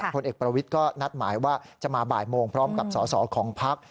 ผลเอกประวิทย์ก็นัดหมายว่าจะมาบ่ายโมงพร้อมกับสอสอของพัก